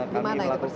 di mana itu persis